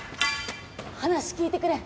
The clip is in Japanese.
話聞いてくれ。